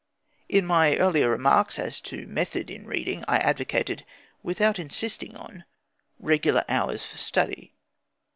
In my earlier remarks as to method in reading, I advocated, without insisting on, regular hours for study.